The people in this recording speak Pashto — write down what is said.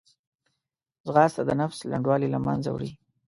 ځغاسته د نفس لنډوالی له منځه وړي